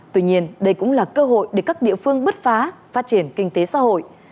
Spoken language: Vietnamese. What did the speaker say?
tuy nhiên đây cũng là cơ hội để các địa phương bứt phá phát triển kinh tế xã hội